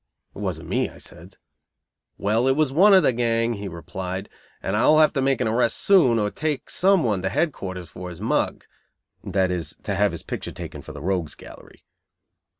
"It wasn't me," I said. "Well, it was one of the gang," he replied, "and I will have to make an arrest soon, or take some one to headquarters for his mug," (that is, to have his picture taken for the rogues' gallery).